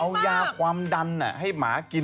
เอายาความดันให้หมากิน